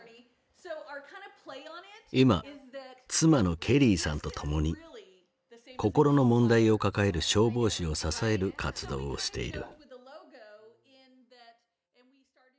今妻のケリーさんと共に心の問題を抱える消防士を支える活動をしている。